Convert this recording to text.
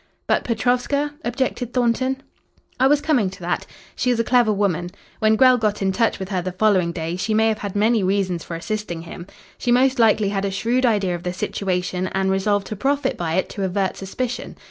"But Petrovska?" objected Thornton. "I was coming to that. She is a clever woman. When Grell got in touch with her the following day she may have had many reasons for assisting him. She most likely had a shrewd idea of the situation and resolved to profit by it to avert suspicion.